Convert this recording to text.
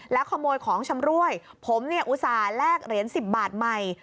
ขโมยของชำรวยผมเนี่ยอุตส่าห์แลกเหรียญ๑๐บาทใหม่